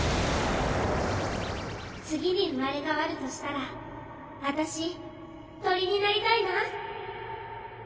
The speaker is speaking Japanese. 次に生まれ変わるとしたら私鳥になりたいな。